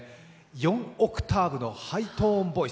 ４オクターブのハイトーンボイス